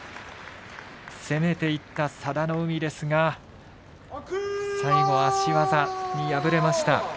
攻めていった佐田の海ですが最後、足技に敗れました。